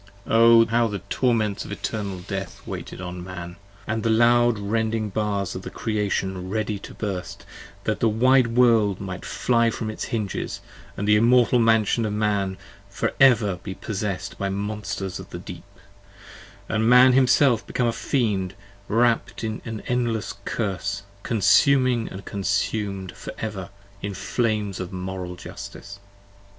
44 25 O! how the torments of Eternal Death waited on Man: And the loud rending bars of the Creation ready to burst: That the wide world might fly from its hinges, & the immortal mansion Of Man for ever be possess'd by monsters of the deeps: And Man himself become a Fiend, wrap'd in an endless curse, 30 Consuming and consum'd for ever in flames of Moral Justice.